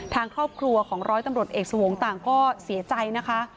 ทางครอบครัวของร้อยตำรวจเอกสวงศ์ต่างก็เสียใจนะคะ